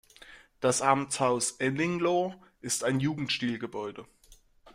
Das Amtshaus Ennigloh ist ein Jugendstilgebäude.